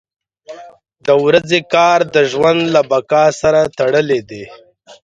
• د ورځې کار د ژوند له بقا سره تړلی دی.